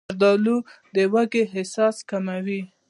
زردالو د لوږې احساس کموي.